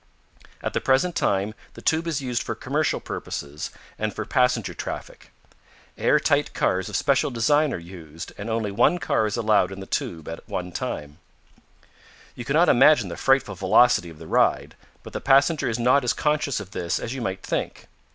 At the present time the tube is used for commercial purposes and for passenger traffic. Air tight cars of special design are used, and only one car is allowed in the tube at one time. [Illustration: The Gravity Car of Holen.] You cannot imagine the frightful velocity of the ride, but the passenger is not as conscious of this as you might think.